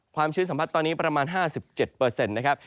ความชื้นสัมผัสตอนนี้ประมาณ๕๗เปอร์เซ็นต์นะครับ